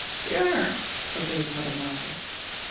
"Sure," obeyed Mother Margot.